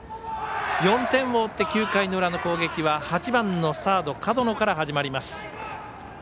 ４点を追って、９回の裏の攻撃は８番のサード門野から始まります。